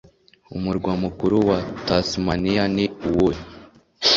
Umurwa mukuru wa Tasmaniya ni uwuhe